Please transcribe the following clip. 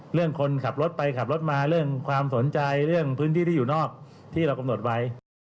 คนขับรถไปขับรถมาเรื่องความสนใจเรื่องพื้นที่ที่อยู่นอกที่เรากำหนดไว้